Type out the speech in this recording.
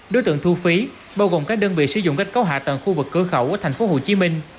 đối tượng thu phí bao gồm các đơn vị sử dụng cách cấu hạ tầng khu vực cơ khẩu ở tp hcm